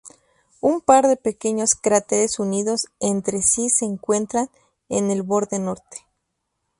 Un par de pequeños cráteres unidos entre sí se encuentran en el borde norte.